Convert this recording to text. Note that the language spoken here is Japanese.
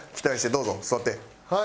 どうぞ座って。